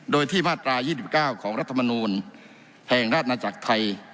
โดยที่มาตรา๒๙ของรัฐมนูลแห่งราชนาจักรไทย